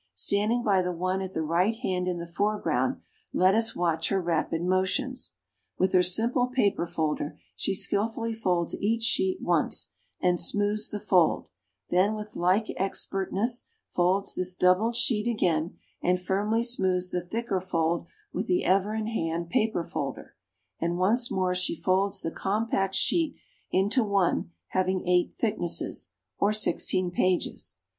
Standing by the one at the right hand in the foreground, let us watch her rapid motions! With her simple paper folder she skillfully folds each sheet once, and smooths the fold, then with like expertness folds this doubled sheet again, and firmly smooths the thicker fold with the ever in hand paper folder; and once more she folds the compact sheet into one having eight thicknesses, or sixteen pages.